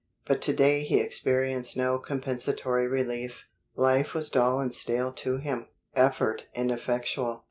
But to day he experienced no compensatory relief. Life was dull and stale to him, effort ineffectual.